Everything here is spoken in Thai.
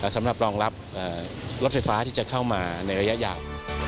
สำหรับรองรับรถไฟฟ้าที่จะเข้ามาในระยะยาว